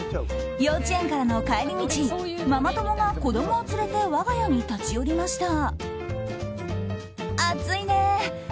幼稚園からの帰り道ママ友が子供を連れて我が家に立ち寄りました。